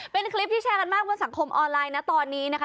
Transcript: เป็นคลิปที่แชร์กันมากบนสังคมออนไลน์นะตอนนี้นะคะ